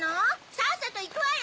さっさといくわよ！